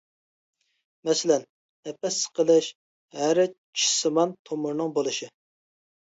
مەسىلەن: نەپەس سىقىلىش، ھەرە چىشسىمان تومۇرنىڭ بولۇشى.